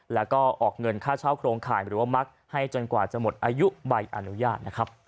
และออกเงินค่าเช้าโครงข่ายให้จนกว่าจะหมดอายุใบอนุญาต